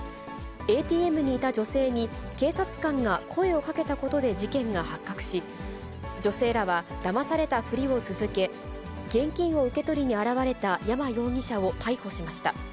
ＡＴＭにいた女性に警察官が声をかけたことで事件が発覚し、女性らはだまされたふりを続け、現金を受け取りに現れた山容疑者を逮捕しました。